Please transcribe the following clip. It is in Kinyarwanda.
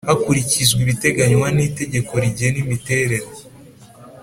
hakurikizwa ibiteganywa n Itegeko rigena imiterere